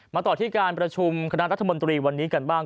ต่อที่การประชุมคณะรัฐมนตรีวันนี้กันบ้าง